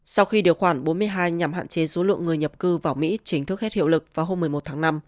sau khi điều khoản bốn mươi hai nhằm hạn chế số lượng người nhập cư vào mỹ chính thức hết hiệu lực vào hôm một mươi một tháng năm